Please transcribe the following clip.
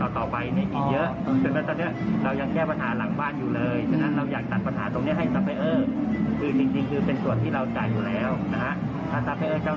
หรือถ้าเป็นธุรกิจเข้าครัวนี่ก็จะดีเลยครับ